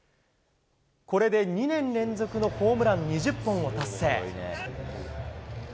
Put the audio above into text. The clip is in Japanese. これで２年連続のホームラン２０本を達成。